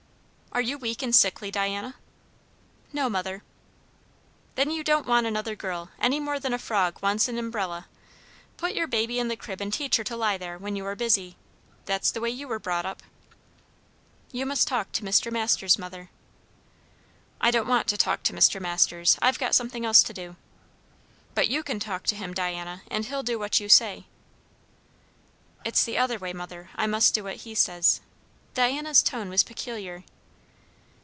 "Are you turned weak and sickly, Diana?" "No, mother." "Then you don't want another girl, any more than a frog wants an umbrella. Put your baby in the crib and teach her to lie there, when you are busy. That's the way you were brought up." "You must talk to Mr. Masters, mother." "I don't want to talk to Mr. Masters I've got something else to do. But you can talk to him, Diana, and he'll do what you say." "It's the other way, mother. I must do what he says." Diana's tone was peculiar.